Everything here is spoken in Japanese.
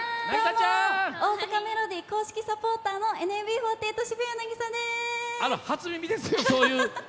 「大阪メロディー」公式サポーターのＮＭＢ４８渋谷凪咲です！